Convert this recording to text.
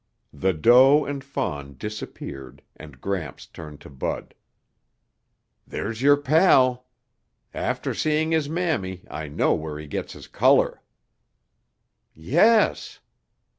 The doe and fawn disappeared, and Gramps turned to Bud. "There's your pal. After seeing his mammy, I know where he gets his color." "Yes."